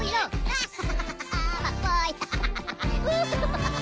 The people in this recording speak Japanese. ハハハハ！